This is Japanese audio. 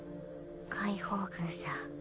解放軍さん